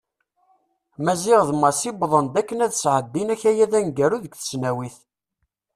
Maziɣ d Massi wwḍen-d akken ad sɛeddin akayad aneggaru deg tesnawit.